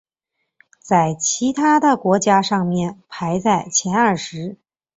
在其他的国家上面排在前二十。